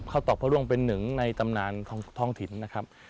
ตอกพระร่วงเป็นหนึ่งในตำนานท้องถิ่นนะครับ